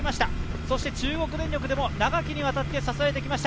そして中国電力でも長きにわたって支えてきました。